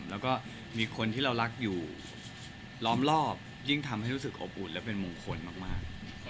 แล้วก็มีคนที่เรารักอยู่ล้อมรอบยิ่งทำให้รู้สึกอบอุ่นและเป็นมงคลมาก